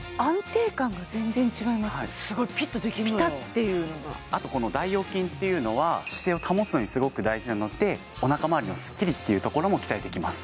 すごいピッとできるピタッていうのがあとこの大腰筋っていうのは姿勢を保つのにすごく大事なのでお腹まわりのスッキリというところも期待できます